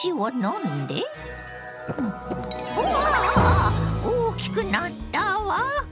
あぁ大きくなったわ！